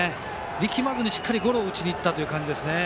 力まずにしっかりゴロを打ちにいった感じですね。